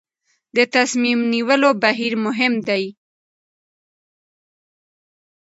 د تصمیم نیولو بهیر مهم دی